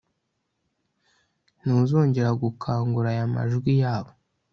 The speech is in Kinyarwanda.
ntuzongera gukangura aya majwi yabo